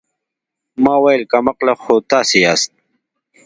ما وويل کم عقله خو تاسې ياست.